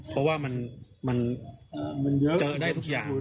เพราะว่ามันเจอได้ทุกอย่าง